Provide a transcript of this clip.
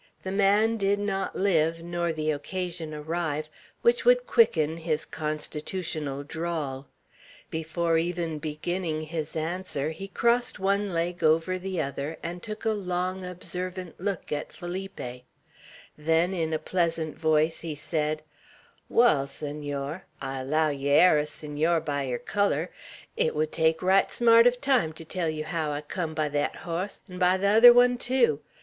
The man did not live, nor could the occasion arrive, which would quicken his constitutional drawl. Before even beginning his answer he crossed one leg over the other and took a long, observant look at Felipe; then in a pleasant voice he said: "Wall, Senor, I allow yer air a Senor by yer color, it would take right smart uv time tew tell yeow haow I cum by thet hoss, 'n' by the other one tew.